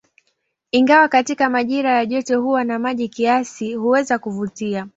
Ingawa katika majira ya joto huwa na maji kiasi, huweza kuvutia.